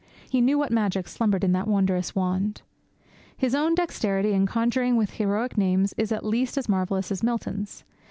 He knew what magic slumbered in that wondrous wand. His own dexterity in conjuring with heroic names is at least as marvellous as Milton's.